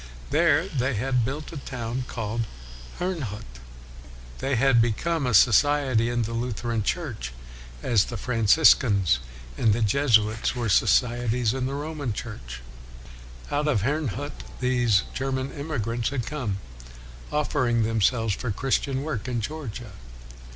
There they had built a town called Herrnhut. They had become a society in the Lutheran WESLEY 303 Church, as the Franciscans and the Jesuits were societies in the Roman Church. Out of Herrnhut these German emigrants had come, offering themselves for Christian work in Georgia.